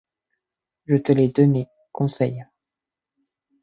Je te l’ai donné, conseil!